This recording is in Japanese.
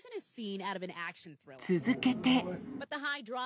続けて。